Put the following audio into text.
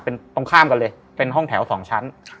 เป็นตรงข้ามกันเลยเป็นห้องแถว๒ชั้น